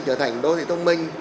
trở thành đô thị thông minh